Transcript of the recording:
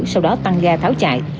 sau đó tăng ga tháo chạy